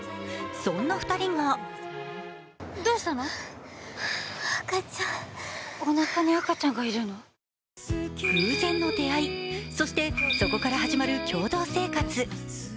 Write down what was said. そんな２人が偶然の出会いそしてそこから始まる共同生活。